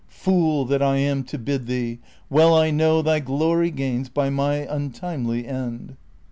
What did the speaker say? Fool that I am to bid thee ! well I know Thy glory gains by my untimely end.